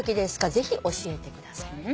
ぜひ教えてください」